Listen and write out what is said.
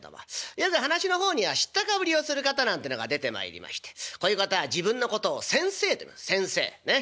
よく噺の方には知ったかぶりをする方なんてのが出てまいりましてこういう方は自分のことを先生といいます先生ねっ。